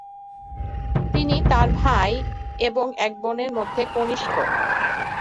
তিনি তার ভাই এবং এক বোনের মধ্যে কনিষ্ঠ।